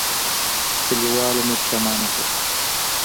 کلیوالو مې پښېمانه کړم.